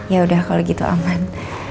yaudah kalau gitu aman